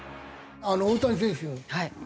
大谷選手